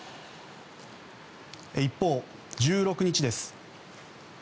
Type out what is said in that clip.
一方、１６日です。